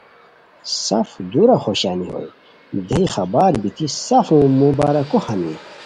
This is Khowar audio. سف دُورہ خوشانی ہوئے دیہی خبر بیتی سف مبارکو ہانی